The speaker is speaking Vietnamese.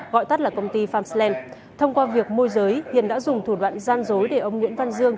gọi tắt là công ty farmsland thông qua việc môi giới hiền đã dùng thủ đoạn gian dối để ông nguyễn văn dương